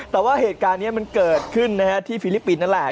แต่ว่าเหตุการณ์นี้มันเกิดขึ้นที่ฟิลิปปินส์นั่นแหละ